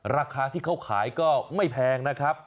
ราคาที่เขาขายก็ไม่แพงนะครับ